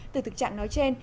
từ thực trạng nói trên